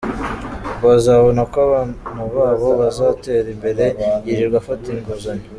ngo bazabone ko abana babo bazatera imbere ; Yirirwa afata inguzanyo